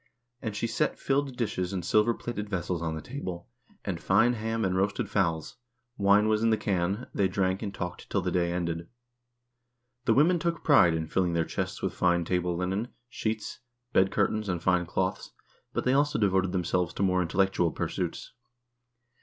And she set filled dishes and silver plated vessels on the table, and fine ham and roasted fowls ; wine was in the can, they drank and talked till the day ended. The women took pride in filling their chests with fine table linen, sheets, bed curtains, and fine clothes, but they also devoted themselves to more intellectual pursuits.